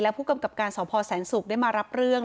ผู้กำกับการสพแสนศุกร์ได้มารับเรื่อง